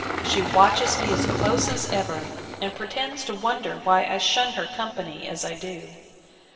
She watches me as close as ever, and pretends to wonder why I shun her company as I do.